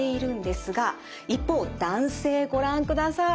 一方男性ご覧ください。